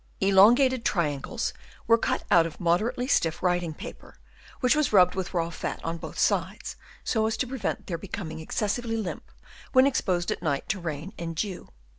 — Elongated triangles were cut out of moderately stiff writing paper, which was rubbed with raw fat on both sides, so as to prevent their becoming excessively limp when exposed at night to rain and dew.